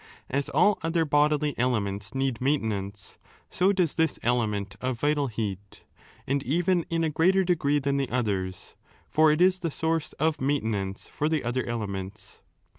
As all other bodily elements need maintenance, so does this element of vital heat, and even in a greater degree than the others, for it is the source of maintenance for the other elements.